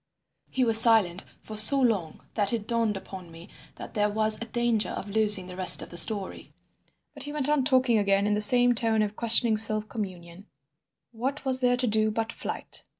He was silent for so long that it dawned upon me that there was a danger of losing the rest of the story. But he went on talking again in the same tone of questioning self communion. "What was there to do but flight?